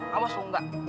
kamu asal enggak